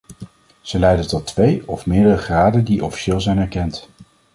Zij leiden tot twee of meerdere graden die officieel zijn erkend.